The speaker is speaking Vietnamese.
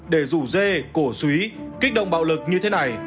để rủ dê cổ suý kích động bạo lực như thế này